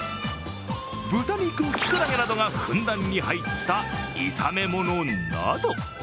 豚肉、キクラゲなどがふんだんに入った炒め物など。